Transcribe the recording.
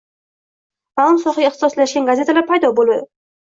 – ma’lum sohaga ixtisoslashgan gazetalar paydo bo‘ldi: